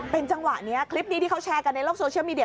เป็นจังหวะนี้คลิปนี้ที่เขาแชร์กันในโลกโซเชียลมีเดีย